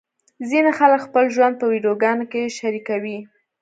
ځینې خلک خپل ژوند په ویډیوګانو کې شریکوي.